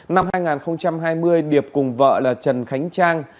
năm hai nghìn hai mươi điệp cùng vợ là trần khánh trang